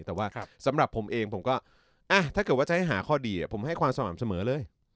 แต่ว่าสำหรับผมเองผมก็ถ้าเกิดว่าจะให้หาข้อดีผมให้ความสม่ำเสมอเลย